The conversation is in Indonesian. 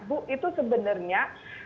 bu itu sebenarnya